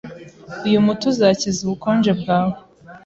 Uyu muti uzakiza ubukonje bwawe.